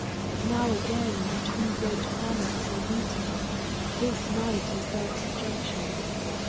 Now again the two great planets are meeting. This night is their conjunction.